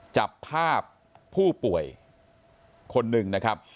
จับภาพผู้ป่วยคนหนึ่งนะครับ